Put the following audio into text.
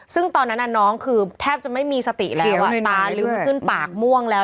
ซึ่งตอนนั้นน้องคือแทบจะไม่มีสติแล้วตาลืมขึ้นปากม่วงแล้ว